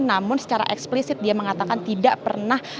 namun secara eksplisit dia mengatakan tidak pernah